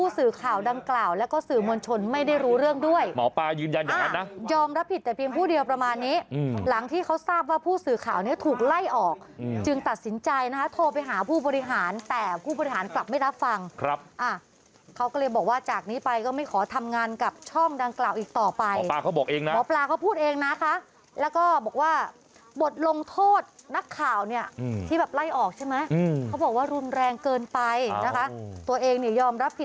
สื่อข่าวดังกล่าวแล้วก็สื่อมวลชนไม่ได้รู้เรื่องด้วยหมอปลายืนยันอย่างนั้นนะยอมรับผิดแต่เพียงผู้เดียวประมาณนี้หลังที่เขาทราบว่าผู้สื่อข่าวเนี่ยถูกไล่ออกจึงตัดสินใจนะคะโทรไปหาผู้บริหารแต่ผู้บริหารกลับไม่รับฟังครับเขาก็เลยบอกว่าจากนี้ไปก็ไม่ขอทำงานกับช่องดังกล่าวอีกต่อไปหมอปลาเขาบ